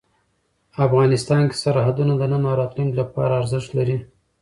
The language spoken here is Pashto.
افغانستان کې سرحدونه د نن او راتلونکي لپاره ارزښت لري.